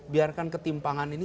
biarkan ketimpangan ini